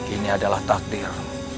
ini adalah takdir